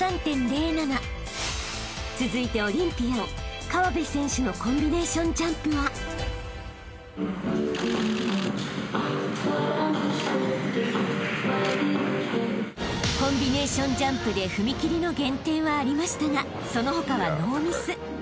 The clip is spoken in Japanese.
［続いてオリンピアン河辺選手のコンビネーションジャンプは］［コンビネーションジャンプで踏み切りの減点はありましたがその他はノーミス］